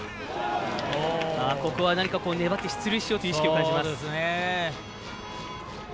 ここは何か粘って出塁しようという意識を感じます。